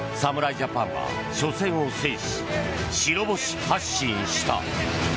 ジャパンは初戦を制し、白星発進した。